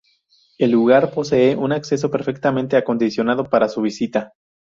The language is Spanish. El lugar posee un acceso perfectamente acondicionado para su visita.